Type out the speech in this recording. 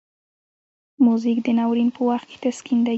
موزیک د ناورین په وخت کې تسکین دی.